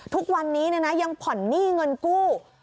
ทุกวันนี้ยังผ่อนหนี้เงินกู้